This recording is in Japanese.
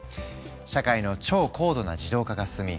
社会の超高度な自動化が進み